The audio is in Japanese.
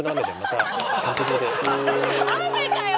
雨かよ